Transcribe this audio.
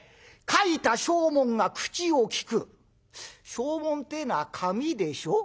証文ってえのは紙でしょ。